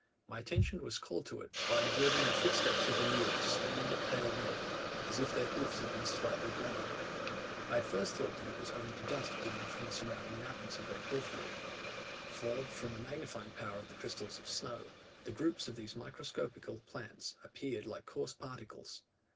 My attention was called to it, by observing the footsteps of the mules stained a pale red, as if their hoofs had been slightly bloody. I at first thought that it was owing to dust blown from the surrounding mountains of red porphyry; for from the magnifying power of the crystals of snow, the groups of these microscopical plants appeared like coarse particles.